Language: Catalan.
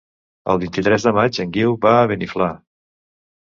El vint-i-tres de maig en Guiu va a Beniflà.